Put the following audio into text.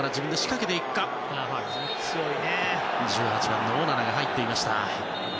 １８番のオナナが入っていました。